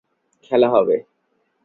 খেলা হবে!